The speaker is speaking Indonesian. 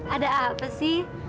ada apa sih